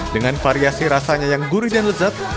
dengan variasi rasanya yang gurih dan lezat